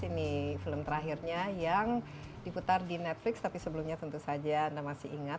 ini film terakhirnya yang diputar di netflix tapi sebelumnya tentu saja anda masih ingat